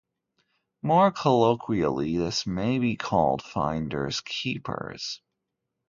More colloquially, this may be called finders, keepers.